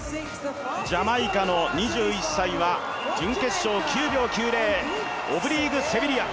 ジャマイカの２１歳は準決勝９秒９０、オブリーク・セビリア。